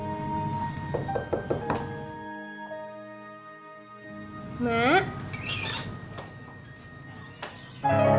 yang insaf para pengajar